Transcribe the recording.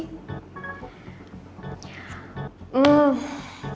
mungkin lo belum tau ya orangnya siapa